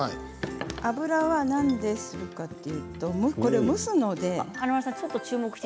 油は何でするかというとこれは蒸すので。